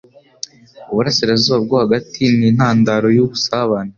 Uburasirazuba bwo Hagati ni intandaro yubusabane.